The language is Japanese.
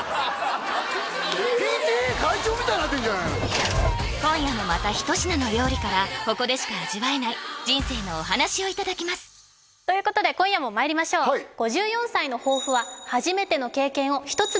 恐れられてただから今夜もまた一品の料理からここでしか味わえない人生のお話をいただきますということで今夜もまいりましょういいでしょ？